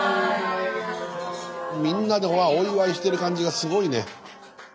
みんなでお祝いしてる感じがすごいね。